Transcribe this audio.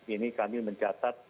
ini kami mencatat